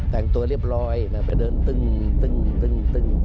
แต่งตัวเรียบร้อยไปเดินตึ้ง